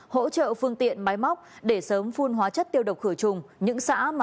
hỗ trợ phương tiện máy móc để sớm phun hóa chất tiêu độc khửa chùng những xã mà f đi qua